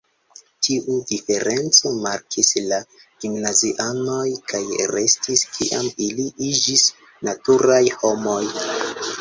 Tiu diferenco markis la gimnazianojn kaj restis kiam ili iĝis maturaj homoj.